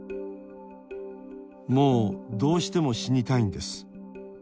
「もうどうしても死にたいんです」。